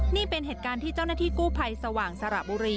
นี่เป็นเหตุการณ์ที่เจ้าหน้าที่กู้ภัยสว่างสระบุรี